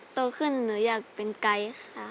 โตขึ้นหนูอยากเป็นไกลค่ะ